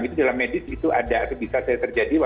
itu dalam medis itu ada atau bisa saja terjadi